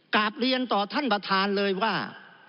กลับเรียนต่อท่านประธานเลยว่า